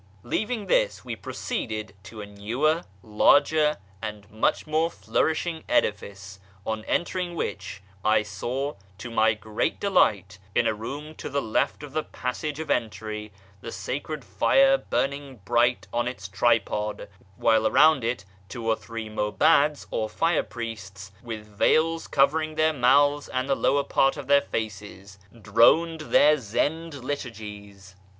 Leaving this, we proceeded to a newer, larger, and much more flourishing edifice, on entering which I saw, to my great delight, in a room to the left of the passage of entry, the sacred fire burning bright on its tripod, while around it two or three mitbads or fire priests, with veils cover ing their mouths and the lower part of their faces, droned their Zend liturgies.